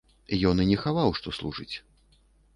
Ён і не хаваў, што служыць.